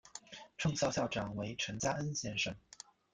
创校校长为陈加恩先生。